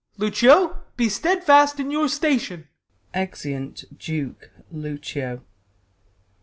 Ben. Lucio, be stedfast in your station ! [Exeunt Duke, Lucio.